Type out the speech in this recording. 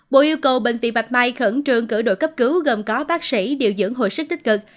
bộ yêu cầu bệnh viện bạch mai khẩn trương cử đội cấp cứu gồm có bác sĩ điều dưỡng hồi sức tích cực